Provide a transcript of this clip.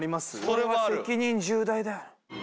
それは責任重大だよ。